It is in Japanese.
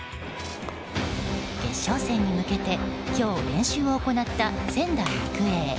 決勝戦に向けて今日、練習を行った仙台育英。